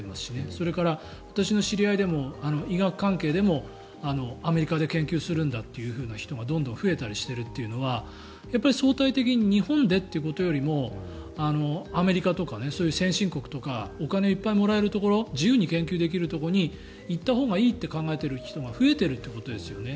それから、私の知り合いでも医学関係でもアメリカで研究するんだという人がどんどん増えているというのは相対的に日本でというところよりもアメリカとか先進国とかお金をいっぱいもらえるところ自由に研究できるところに行ったほうがいいと考えている人が増えているということですよね。